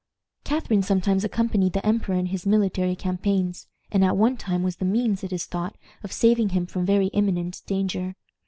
Catharine sometimes accompanied the emperor in his military campaigns, and at one time was the means, it is thought, of saving him from very imminent danger.